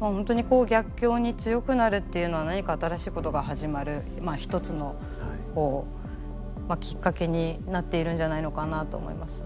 本当に逆境に強くなるっていうのは何か新しいことが始まるまあ１つのきっかけになっているんじゃないのかなと思います。